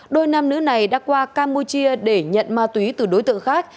đôi nam nữ này đã qua campuchia để nhận ma túy từ đối tượng khác